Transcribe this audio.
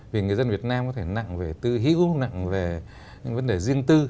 vì người dân việt nam có thể nặng về tư hữu nặng về những vấn đề riêng tư